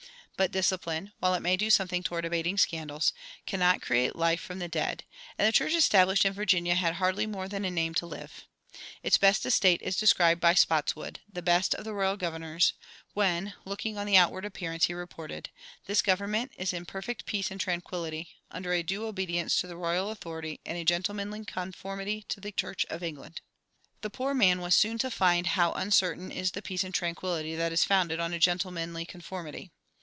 But discipline, while it may do something toward abating scandals, cannot create life from the dead; and the church established in Virginia had hardly more than a name to live. Its best estate is described by Spotswood, the best of the royal governors, when, looking on the outward appearance, he reported: "This government is in perfect peace and tranquillity, under a due obedience to the royal authority and a gentlemanly conformity to the Church of England." The poor man was soon to find how uncertain is the peace and tranquillity that is founded on "a gentlemanly conformity."